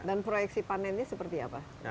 dan proyeksi panennya seperti apa